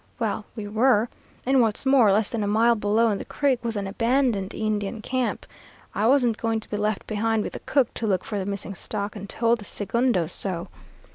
Well, we were. And what's more, less than a mile below on the creek was an abandoned Indian camp. I wasn't going to be left behind with the cook to look for the missing stock, and told the segundo so.